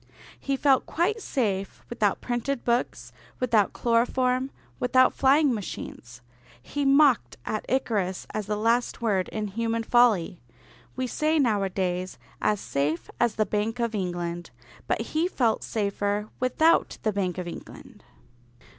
He felt quite safe without printed books, without chloroform, without flying machines. He mocked at Icarus as the last word in human folly. We say nowadays "as safe as the Bank of England," but he felt safer without the Bank of England.